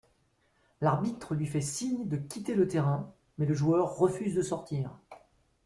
L'arbitre lui fait signe de quitter le terrain, mais le joueur refuse de sortir.